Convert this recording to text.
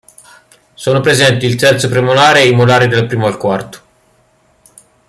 Sono presenti il terzo premolare e i molari dal primo al quarto.